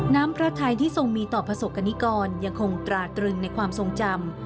น้ำพระไทยที่ทรงมีต่อประสบกรณิกรยังคงตราตรึงในความทรงจำ